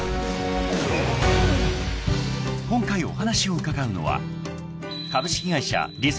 ［今回お話を伺うのは］